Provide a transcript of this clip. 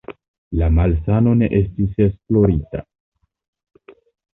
La malsano ne estis esplorita.